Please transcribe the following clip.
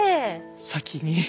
先に！